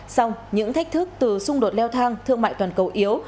song những thách thức từ xung đột leo thang thương mại toàn cầu yếu